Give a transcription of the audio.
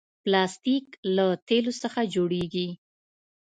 پلاستيک له تیلو څخه جوړېږي.